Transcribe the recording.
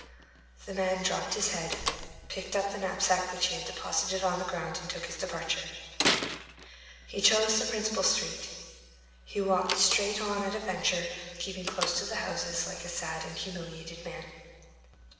The man dropped his head, picked up the knapsack which he had deposited on the ground, and took his departure. He chose the principal street. He walked straight on at a venture, keeping close to the houses like a sad and humiliated man.